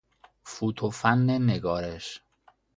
فوت و فن نگارش